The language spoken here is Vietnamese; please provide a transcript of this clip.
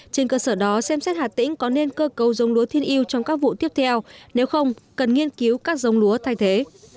trên cơ sở đó xem xét hà tĩnh có nên cơ cấu giống lúa thiên yêu trong các vụ tiếp theo nếu không cần nghiên cứu các dông lúa thay thế